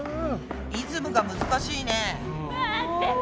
リズムがむずかしいね。